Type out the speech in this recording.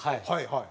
はい。